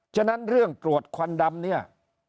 ฉะนั้นเรื่องตรวจควันดำเนี่ย